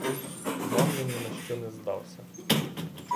Вам я нінащо не здався.